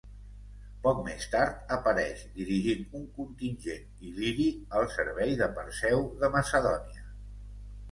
Poc més tard apareix dirigint un contingent il·liri al servei de Perseu de Macedònia.